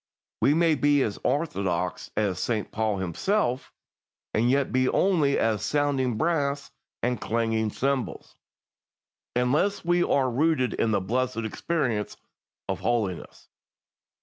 We may be as orthodox as St. Paul himself, and yet be only as "sounding brass and clanging cymbals," unless we are rooted in the blessed experience of holiness.